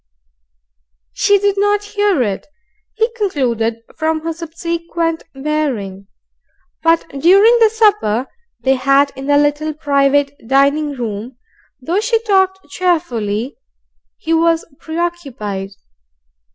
She did not hear it, he concluded from her subsequent bearing; but during the supper they had in the little private dining room, though she talked cheerfully, he was preoccupied.